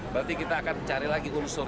berarti kita akan cari lagi unsur